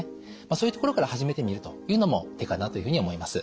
そういうところから始めてみるというのも手かなというふうに思います。